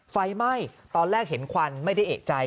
ไฟไหม้ตอนแรกเห็นควันไม่ได้เอกใจ